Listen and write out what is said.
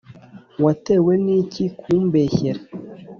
Watewe niki kumbeshyera